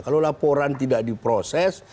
kalau laporan tidak diproses